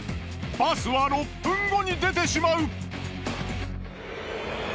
バスは６分後に出てしまう。